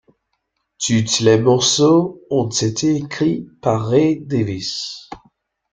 Toutes les morceaux ont été écrits par Ray Davies.